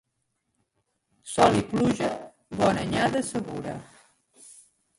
Sol i pluja, bona anyada segura.